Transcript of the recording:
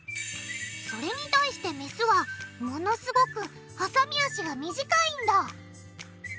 それに対してメスはものすごくはさみ脚が短いんだ！